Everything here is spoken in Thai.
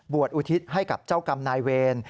อุทิศให้กับเจ้ากรรมนายเวร